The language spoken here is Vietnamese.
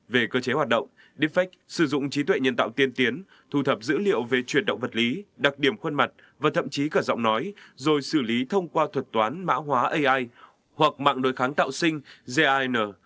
về cơ chế hoạt động defect sử dụng trí tuệ nhân tạo tiên tiến thu thập dữ liệu về chuyển động vật lý đặc điểm khuôn mặt và thậm chí cả giọng nói rồi xử lý thông qua thuật toán mã hóa ai hoặc mạng đối kháng tạo sinh gin